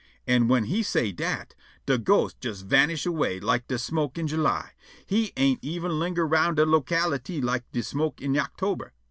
An' whin he say dat, de ghost jes vanish' away like de smoke in July. He ain't even linger round dat locality like de smoke in Yoctober.